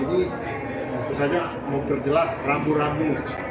itu saja memperjelas rambu rambu